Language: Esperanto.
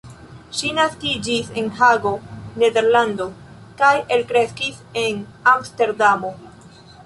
Ŝi naskiĝis en Hago, Nederlando kaj elkreskis en Amsterdamo.